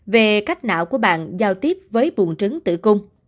về cách não của bạn giao tiếp với bùn trứng tử cung